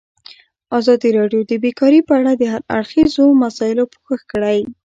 ازادي راډیو د بیکاري په اړه د هر اړخیزو مسایلو پوښښ کړی.